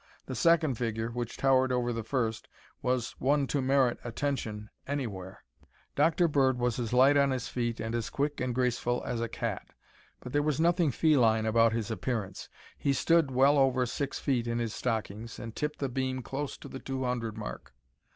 The second figure, which towered over the first, was one to merit attention anywhere. Dr. Bird was as light on his feet and as quick and graceful as a cat, but there was nothing feline about his appearance. He stood well over six feet in his stockings and tipped the beam close to the two hundred mark.